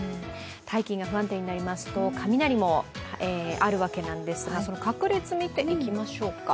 大気が不安定になりますと雷もあるわけなんですけどその確率を見ていきましょうか。